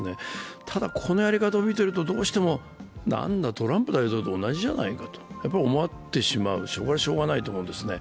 ただ、このやり方を見ていると、どうしても、なんだトランプ大統領同じじゃないかと思ってしまうし、これはしようがないと思うんですね。